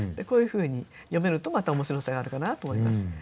こういうふうに詠めるとまた面白さがあるかなと思います。